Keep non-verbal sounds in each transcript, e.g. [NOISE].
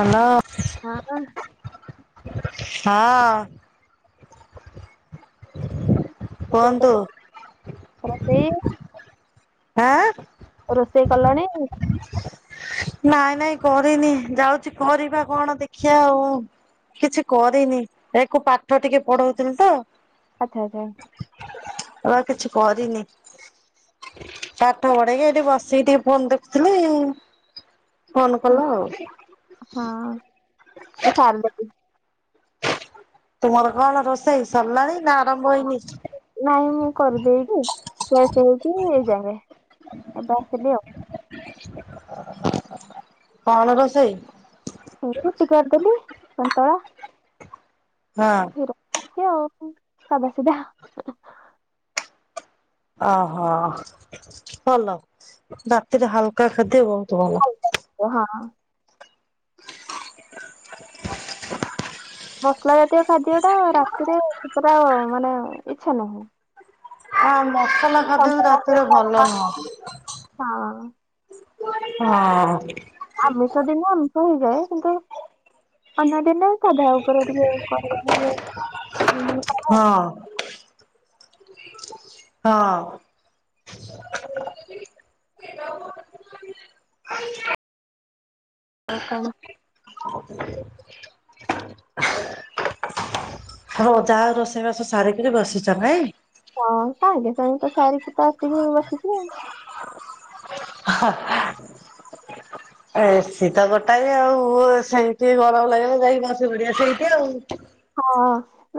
Hello. ହଁ ପା। ହଁ। ହ ରୋଷେଇ କର୍ଥିନ୍ ଆଜି ଆଁ? ରୋଷେଇ କଲଣି? ନାଇଁ ନାଇଁ କରିନି ଯାଉଚି କରିବା କଣ ଦେଖିବା ଆଉ। କିଛି କରିନି ଏକୁ ପାଠ ଟିକେ ପଢୋଉଥିଲି ତ। [UNINTELLIGIBLE] ମୁଁ ଆଉ କିଛି କରିନି। ପାଠ ପଢେକି ଏଇଠି ବସିକି ଟିକେ ଫୋନ୍ ଦେଖ୍ ଥିଲି ଫୋନ ଉଁ, କଲ ଆଉ। ହଁ ମୁଁ ସାର ଦେଚି। ତୁମର କଣ ରୋଷେଇ ସରିଲାଣି ନା ଆରମ୍ଭ ହେଇନି? ନାଇଁ ମୁଁ କରିଦେଇକିସ ଫ୍ରେସ୍ ହେଇକି ଏଇ ଯାଙ୍କେ ଏବେ ଆସିଲି ଆଉ। କଣ ରୋଷେଇ? କୁଟି କାଟ୍ ଦେଲି ସନ୍ତଳା ହଁ କ୍ଷୀର ଏମ୍ତି ଆଉ ସାଧା ସିଧା। ଓହୋ ଭଲ ରାତିରେ ହାଲକା ଖାଦ୍ୟ ବୋହୁତ ଭଲ। ହଁ। ମସଲା ଜାତୀୟ ଖାଦ୍ୟ ଟା ରାତିରେ ପୁରା ମାନେ ଇଚ୍ଛା ନାହିଁ। ହଁ ମସଲା ଖାଦ୍ୟ ସନ୍ତୁଳା ହଉ, ରାତିରେ ବି ଭଲ ପରମା- ନୁହଁ। ହଁ ହଁ। ଆମେ ସେ ଦିନ ଆମିଷ ହେଇଯାଏ କିନ୍ତୁ ଅନ୍ୟ ଦିନେ ତ ଭୋ ଉପରେ ଟିକେ କରିବାନି [UNINTELLIGIBLE] ହଁ ହଁ। ଆଉ କଣ? ର ଯାହା ରୋଷେଇବାସ ସାରିକିରି ବସିଚ ନାଇଁ? ହଁ ତା ସାଙ୍ଗେ ସାଙ୍ଗେ ତ ସାରିକି ତ ଆସିକି ବସିଚି ଆଉ। ଅହ୍। ଏ ସି ତ ଗୋଟାଏ ଆଉ ସେଇଠିି ଟିକେ ଗରମ ଲାଗିଲ ଯାଇକି ବସି ପଡିବା ସେଇଠିି ଆଉ। ହଁ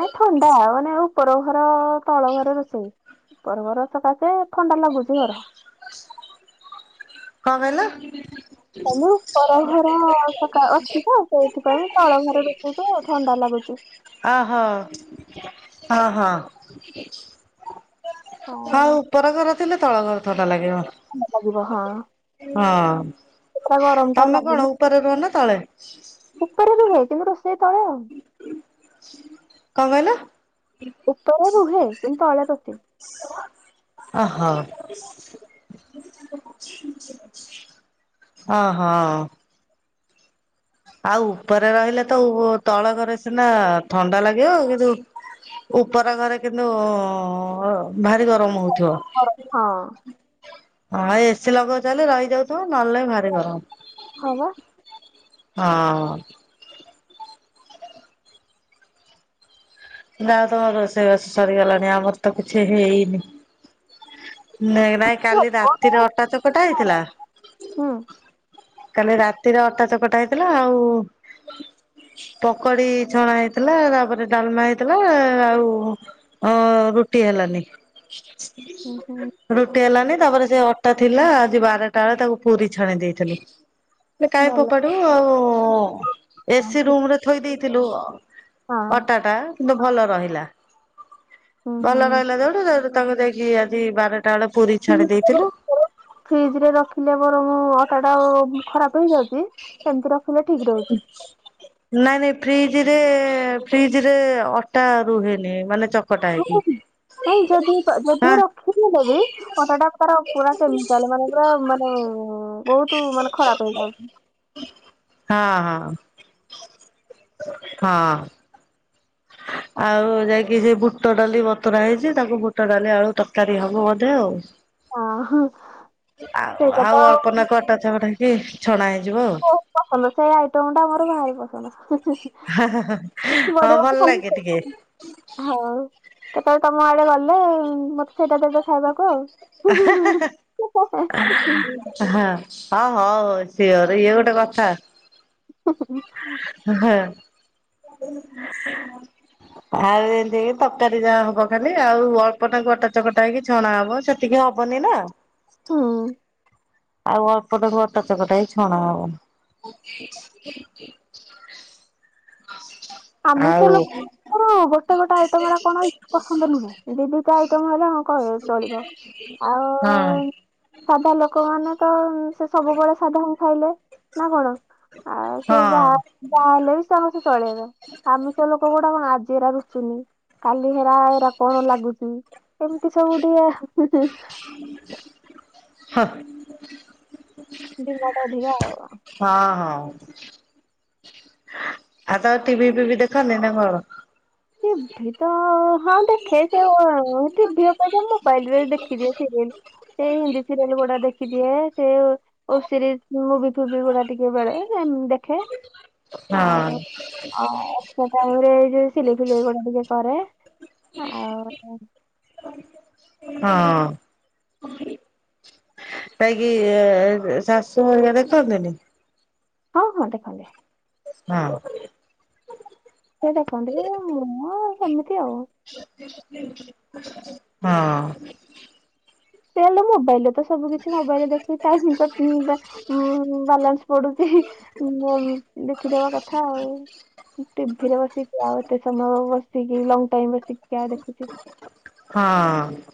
ନାଇଁ ଥଣ୍ଡା ମାନେ ଉପର ଘର ତଳ ଘରେ ରୋଷେଇ। ଉପର ଘର ସକାଶେ ଥଣ୍ଡା ଲାଗୁଚି ଘର। କଣ କହିଲେ? କହିଲି ଉପର ଘର ସକା ଅଛି ତ ସେଇଥିପାଇଁ ତଳ ଘର ବେଶିକୁ ଥଣ୍ଡା ଲାଗୁଚି। ଆହୋ ହଁ ହଁ। ହଁ ଉପର ଘର ଥିଲେ ତଳ ଘର ଥଣ୍ଡ ଲାଗିବ। ଲାଗିବ ହଁ ହଁ ପୁରା ଗରମ ଟା ତମେ ଲାଗୁନି। କଣ ଉପରେ ରୁହନା ତଳେ? ଉପରେ ରୁହେ କିନ୍ତୁ ରୋଷେଇ ତଳେ ଆଉ। କଣ କହିଲ? ଉପରେ ରୁହେ କିନ୍ତୁ ତଳେ ରୋଷେଇ। ଓ ହୋ। ଓ ହୋ। ଆଉ ଉପରେ ରହିଲେ ତ ଉପ ତଳ ଘରେ ସିନା ଥଣ୍ଡା ଲାଗିବ କିନ୍ତୁ ଉପର ଘରେ କିନ୍ତୁ ଭାରି ଗରମ ହଉ ଥିବ। ଗରମ। ହଁ ଏସିି ଲଗଉଛ ବେଲି ରହିଯାଉଥିବ ନହେଲେ ନାହଁ ଭାରି ଗରମ। ହଁ ବା। ହଁ। ଯା ହଉ ତମ ରୋଷେଇ ବାସ ସରିଗଲାଣି ଆମର ତ କିଛି ହେଇନି। ନାଇଁ ନାଇଁ କାଲି ରାତିରେ ଅଟା ଚକଟା ହେଇଥିଲା ହୁଁ କାଲି ରାତିରେ ଅଟା ଚକଟା ହେଇଥିଲା ଆଉ ପକଡି ଛଣା ହେଇଥିଲା ତାପରେ ଡାଲମା ହେଇ ଥିଲା ଆଉ ଅଁ ରୁଟି ହେଲାନି। ହୁଁ ହୁଁ ରୁଟି ହେଲାନି ତାପରେ ସେ ଅଟା ଥିଲା ଆଜି ବାରେ ଟା ବେଳେ ତାକୁ ପୁରୀ ଛାଣି ଦେଇଥିଲି। କାଇଁ ଭଲ ଫୋପାଡିବୁ ଆଉ ହଁ ଏସି ଠିକ ରୁମ୍ ରେ ଥୋଇ ଦେଇଥିଲୁ ଆ ଅଟା ଟା କିନ୍ତୁ ଭଲ ରହିଲା ହଁ ହୁଁ ହୁଁ। ଭଲ ରହିଲା ଯୋଉଠୁ ସେଉଠୁ ତାକୁ ଯାଇକି ଆଜି ବାରେ ଟା ବେଳେ ପୁରୀ ଛାଣି ଦେଇଥିଲୁ। ଫ୍ରିଜ୍ ରେ ରଖିଲେ ବରଂ ଅଟା ଟା ଖରାପ ହେଇଯାଉଛି ସେମିତି ରଖିଲେ ଠିକ୍ ରହୁ ହୁଛି। ନାଇଁ ନାଇଁ ଫ୍ରିଜ୍ ରେ ଫ୍ରିଜ୍ ରେ ଅଟା ରୁହେନି ମାନେ ଚ କଟା ନାଇଁ ଯଦି ହେଇକି ହଁ। [UNINTELLIGIBLE] ଅଟା ଟା [UNINTELLIGIBLE] ତୁ ମାନେ ଖରାପ ହେଇଯାଉଛି। ହଁ ହଁ। ହଁ‌। ଆଉ ଯାଇକି ସେ ବୁଟ ଡାଲି ବତୁରା ହେଇଛି ତାକୁ ବୁଟ ଡାଲି ଆଳୁ ତରକାରୀ ହବ ବୋଧେ ଆଉ। ହଁ ହଁ। ଆଉ ସେଇ କଥା ଆଉ ଅଳ୍ପନାକୁ ଅଟା ଛକଟା ହେଇକି ଛଣା ହେଇଯିବ ଆଉ। ମୋର ପସନ୍ଦ ସେଇ ଆଇଟମ୍ ଟା ମୋର ଭାରି ପସନ୍ଦ। ହେ ହେ ହେ ହେ ହଁ ବଡ ଭଲ ଲାଗେ ଟିକେ। ହଉ କେତେବେଳେ ତମ ଆଡେ ଗଲେ ମତେ ସେଇଟା ଦେବେ ଖାଇବାକୁ ଆଉ। ହୁଁ ହୁଁ ହୁଁ ହୁଁ ହେ ହେ ହେ ହୁଁ। ହଁ ହଉ ହଉ ହଉ ସିଓର୍ ଇଏ ଗୋଟେ କଥା। ହୁଁ ହୁଁ। ହେ ହେ। ଆଉ ଏମିତି ତରକାରୀ ଯାହା ହବ ଖାଲି ଆଉ ଅଳ୍ପ ନାକୁ ଅଟା ଚକଟା ହେଇକି ଛଣା ହବ ସେ ତିକି ହବନି ନା। ହୁଁ। ଆଉ ଅଳ୍ପନାକୁ ଅଟା ଚକଟା ହେଇ ଛଣା ହବ। ଆଉ ଆଗୁର ଗୋଟେ ଗୋଟେ ଆଇଟମ୍ ଗୁରା କଣ ପସନ୍ଦ ନୁହେଁ ଦି ଦି ଟା ଆଇଟମ୍ ହେଲେ ହଁ ଖାଇବେ ଚଳିବ। ଆଉ ହଁ। ସାଧା ଲୋକମାନେ ତ ସେ ସବୁବେଳେ ସାଧା ଖାଇଲେ, ନା କଣ? ଆଉ ସେ ହଁ ଯାହା ଯାହାହେଲେବି ସମସ୍ତେ ଚଳେଇବେ। ଆମିଷ ଲୋକ ଗୁଟାକ କଣ ଆଜି ଏରା ୠଚୁନି। କାଲି ହେରା ହେରା କଣ ଲାଗୁଛି ଏମିତି ସବୁ ଟିକେ। [INAUDIBLE] [UNINTELLIGIBLE] [UNINTELLIGIBLE] ହଁ ହଁ। ଆଉ ତମେ ଟିଭି ଫିଭି ଦେଖନି ନା କଣ? ଟିଭି ତ ହଁ ଦେଖେ ସେ ଟିଭି ସେ ଓ ଟିଭି ଉପରେ ମୋବାଇଲିରେ ଦେଖିଦିଏ ସିରିଏଲ। ସେଇ ହିନ୍ଦି ସିରିଏଲ ଗୁଡା ଦେଖିଦିଏ, ସେ ଓ ସିରି ମୁଭିଫୁଭି ଗୁଡା ଟିକେ ବେଳେ ସେମିତି ଦେଖ ହଁ। ଆଉ ସେ ଟାଇମରେ ସିଲେଇ ଫିଲେଇ ଗୁଡା ଟିକେ କରେ, ଆଉ ହଁ। କାହିଁକି ଶାଶୁ ହେରିକା ଦେଖନ୍ତିନି? ହଁ ହଁ ଦେଖନ୍ତି। ହଁ। ସେ ଦେଖନ୍ତି, ମୁଁ ସେମିତି ଆଉ। ହଁ। ସେ ହେଲେ ମୋବାଇଲିରେ ତ ସବୁ କିଛି ମୋବଇଲିରେ ଦେଖ [UNINTELLIGIBLE] ହଁ ବାଲାନ୍ସ ପଡୁଛି। ମୁଁ ଦେଖିଦବା କଥା ଆଉ। ଟିଭିିରେ ବସିକି ଆଉ ଏତେ ସମୟ ବସିକି ଲଙ୍ଗଟାଇମ ବସିକି କିଏ ଆଉ ଦେଖୁଛି। ହଁ।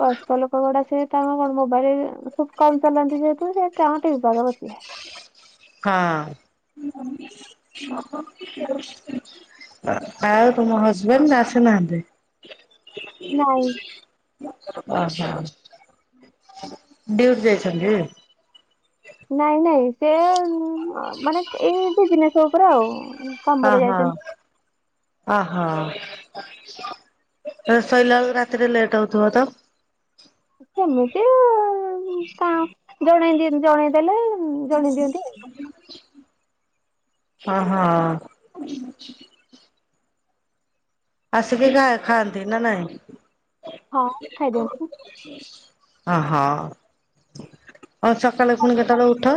ବୟସ୍କ ଲୋକ ଗୁଡାକ ସେ ତାଙ୍କ ମୋବାଇଲ ଖୁବ କମ ଚଲାନ୍ତି ଯେହେତୁ ସେ ତାଙ୍କ ଟିଭି ପାଖରେ ବସିଲେ। ହଁ। ଆଉ ତମ ହଜବେଣ୍ଡ ଆସିନାହାନ୍ତି? ନାଇଁ। ଓହୋ ଡିଉଟି ଯାଇଛନ୍ତି? ନାଇଁ ନାଇଁ ସେ ମାନେ ସେ ବିଜନେସ ଉପରେ ଆଉ। ହଁ କାମରେ ହଁ। ଯାଇଛନ୍ତି ଓହୋ ଶୋଇଲା ବେଳକୁ ରାତିରେ ଲେଟ୍ ହଉଥିବ ତ? ସେମିତି ଆଉ ଜଣେ ଯିଏ ଜଣେଇଦେଲେ ଜଣେଇ ଦିଅନ୍ତି ଆଉ। ହଁ ହଁ। ଆସିକି ଖା ଖାଆନ୍ତି ନା ନାଇଁ? ହଁ ଖାଇଦିଅନ୍ତି। ଓହୋ ଆଉ ସକାଳେ ପୁଣି କେତେବଳେ ଉଠ?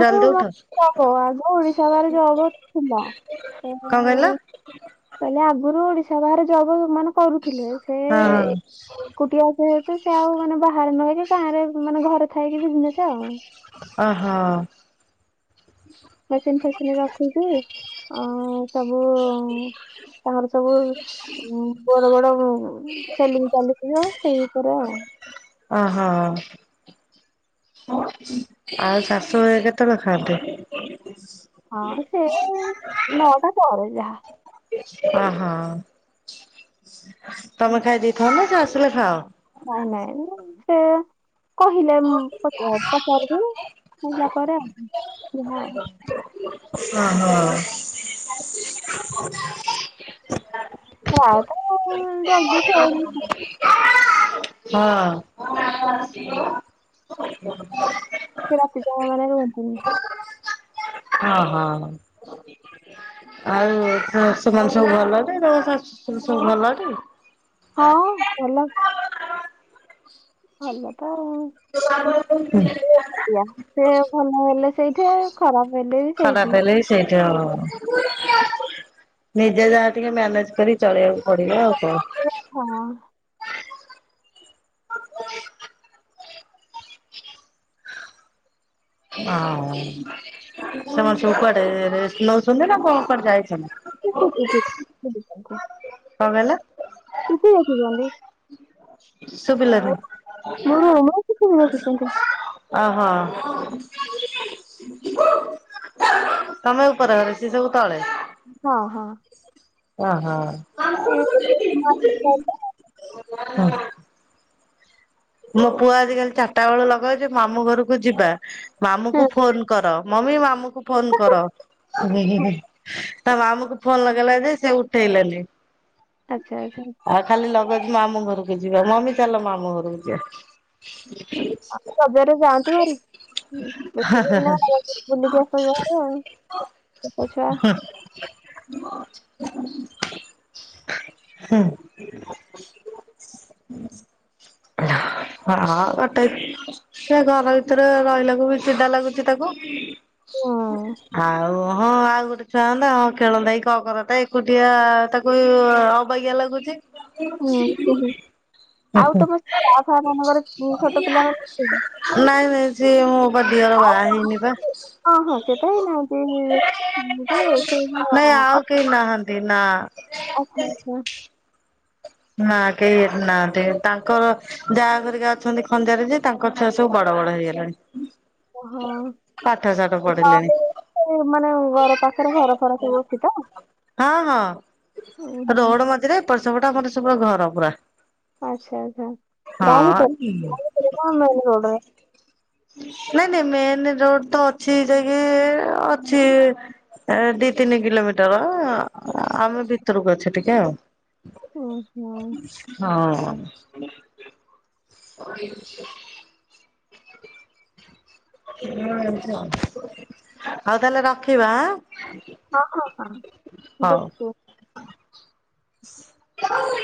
ଜଲଦି ଉଠ ଓଡିଶା ବାହାରେ ଜବ ଥିଲା। କଣ କହିଲ? [UNINTELLIGIBLE] କହିଲେ ଆଗରୁ ଓଡିଶା ବାହାରେ ଜବ ମାନେ କରୁଥିଲେ, ସେ ହଁ ହଁ ଏକୁଟିଆ ସେ ତ ସେ ଆଉ ମାନେ ବାହାରେ ନରହିକି ଗାଁ ରେ ମାନେ ଘର ଥାଇକି ବିଜନେସ ଆଉ। ଓହୋ। ମେସିନ୍ ଫେସିନ ରଖିକି ଅ ସବୁ ତାର ସବୁ ବଡ ବଡ ସେଲିଙ୍ଗ ଚାଲିଛି ଯୋଉ ସେ ଉପରେ ଆଉ। ଅହ ଆଉ ଶାଶୁ ଘରେ କେତେବେଳେ ଖାଆନ୍ତି? ହଁ ସେ ନଅଟା ପରେ ଯାହା। ଅହୋ ତମେ ଖାଇ ଦେଇଥାଅ ନା ସେ ଆସିଲେ ଖାଅ? ନାଇଁ ନାଇଁ ସେ କହିଲେ ପଚାରିବି କହିଲା ପରେ ଆ ହଁ। ଓ ହୋ। [UNINTELLIGIBLE] ହଁ। ସେ ରାତି ଚାହା ମାନେ ରୁହନ୍ତିନି। ହଁ ହଁ। ଆଉ ସେମାନେ ସବୁ ଭଲ ଅଛନ୍ତି। ତାଙ୍କ ଶାଶ ଶଶୁର ସବୁ ଭଲ ଅଛନ୍ତି? ହଁ ଭଲ। ଭଲ ତ ଆଉ। ହୁଁ। [UNINTELLIGIBLE] ସେ ଭଲ ହେଲେ ସେଇଠେ। ଖରାପ ହେଲେ। ବି ଖରାପ ସେଇଠି ହେଲେ ବି ସେଇଠେ ଆଉ। ନିଜେ ଯାହା ଟିକେ ମ୍ୟାନେଜ କରି ଚଳେଇବାକୁ ପଡିବ ଆଉ କଣ। ହଁ। ହଉ ସେମାନେ ସବୁ କୁଆଡେ ରେଷ୍ଟ ନଉଛନ୍ତି ନା କଣ କୁଆଡେ ଯାଇଛନ୍ତି? [UNINTELLIGIBLE] କଣ କହିଲ? ସ୍କୁଟି ଦେଖୁଛନ୍ତି। ଶୁଭିଲାନି। ମୋ ରୁମରେ ଟିଭି ଦେଖୁଛନ୍ତି ଓହୋ। ତମେ ଉପର ଘରେ ସେ ସବୁ ତଳେ। ହଁ ହଁ। ଅହ। [UNINTELLIGIBLE] ହଁ। ମୋ ପୁଅ ଆଜି ଖାଲି ଚାରିଟା ବେଳୁ ଲଗଉଛି ମାମୁଁ ଘରକୁ ଯିବା ମାମୁଁ କୁ ଫୋନ କର। ମମି ମାମୁଁ କୁ ଫୋନ୍ କର। ତା ମାମୁଁ କୁ ଫୋନ୍ ଲଗେଇଲା ଯେ ସେ ଉଠେଇଲେନି। ଆଚ୍ଛା ଆଚ୍ଛା। ଖାଲି ଲଗେଇଛି ମାମୁଁ ଘରକୁ ଯିବା ମମି ଚାଲ ମାମୁଁ ଘରକୁ ଯିବା। ଆ ରଜରେ ଯାନ୍ତୁ ହାରି। ହଁ ବେଶୀ ଦିନ ନା ବୁଲିକି ଆସ ହାରି ଆଉ ଛୋଟ ଛୁଆ। ହୁଁ। ହଁ ଗୋଟେ। ସେ ଘର ଭିତରେ ରହିଲାକୁ ବି ଚିଡା ଲାଗୁଛି ତାକୁ। ଆଉ ହଁ ଆଉ ଗୋଟେ ଛୁଆ ହନ୍ତା ହଁ ଖେଳନ୍ତା କି କଣ କରନ୍ତା ଏକୁଟିଆ ତାକୁ ଅବାଗିଆ ଲାଗୁଛି। ହୁଁ ବା ମାନଙ୍କର ଛୋଟ ପିଲା ମର ନାଇଁ ନାଇଁ ସିଏ ମୁଁ ବା ଦିଅର ବାହା ହେଇନି ବା। ହଁ ହଁ ସେତ ହେଇ ନାହାନ୍ତି। ନାଇଁ [UNINTELLIGIBLE] ଆଉ କେହି ନାହାନ୍ତି ନା। ଆଉ [UNINTELLIGIBLE] ନାଁ କେହିବି ଏଠି ନାହାନ୍ତି। ତାଙ୍କର ଯାଆ ଘରିକା ଅଛନ୍ତି ଖଞ୍ଜାରେ ଯେ ତାଙ୍କ ଛୁଆ ସବୁ ବଡ ବଡ ହେଇଗଲେଣି। ୱ ହଁ। ପାଠ ସାଠ ପଢିଲେଣି [UNINTELLIGIBLE] ମାନେ ଘର ପାଖରେ ଘର ଫର ସବୁ ଅଛି ତ? ହଁ ଉଁ ହଁ ହୁଁ ରୋଡ୍ ମଝିରେ ଏପଟ ସେପଟ ଆମର ସବୁ ଘର ପୁରା। ଆଛା ଆଚ୍ଛା ଗାଈ ହଁ କେତେ [UNINTELLIGIBLE] ମେନ୍ ରୋଡ ରେ ନାଇଁ ନାଇଁ ମେନ୍ ରୋଡ ତ ଅଛି ଯାଇକି ଅଛି ଏ ଦି ତିନି କିଲୋମିଟର। ଆମେ ଭିତରକୁ ଅଛୁ ଟିକେ ଆଉ। ଓ ହୋ। ହଁ। [UNINTELLIGIBLE] ହୋଉ ତାହେଲେ ରଖିବା ଆଁ। ହଁ ହ ହଁ ହଉ। ଦେଖି। [INAUDIBLE]